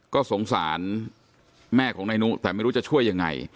ก็สงสารแม่ของนายนุแต่ไม่รู้จะช่วยยังไง